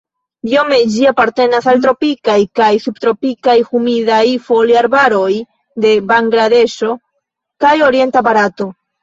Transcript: Biome ĝi apartenas al tropikaj kaj subtropikaj humidaj foliarbaroj de Bangladeŝo kaj orienta Barato.